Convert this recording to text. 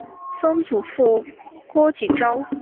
曾祖父郭景昭。